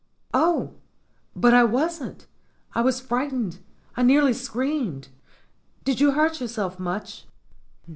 "Oh, but I wasn't! I was frightened. I nearly screamed. Did you hurt yourself much?"